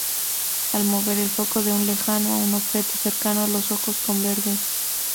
Al mover el foco de un lejano a un objeto cercano, los ojos convergen.